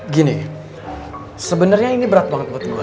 gini sebenernya ini berat banget buat gua